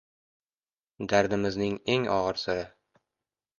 Dardimizning eng og‘ir siri